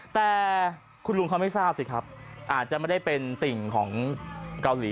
แต่คุณลุงเขาไม่ทราบสิครับอาจจะไม่ได้เป็นติ่งของเกาหลี